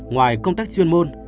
ngoài công tác chuyên môn